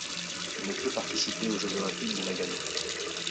Il ne peut participer aux Jeux olympiques de Nagano.